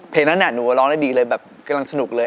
นั้นหนูก็ร้องได้ดีเลยแบบกำลังสนุกเลย